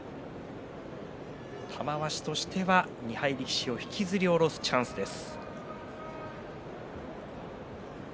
玉鷲としては２敗力士を引きずり下ろすチャンスです。